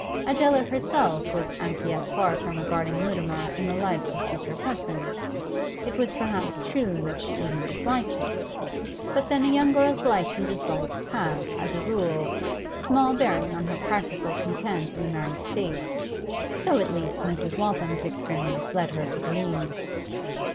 Adela herself was as yet far from regarding Mutimer in the light of a future husband; it was perhaps true that she even disliked him. But then a young girl's likes and dislikes have, as a rule, small bearing on her practical content in the married state; so, at least, Mrs. Waltham's experience led her to believe.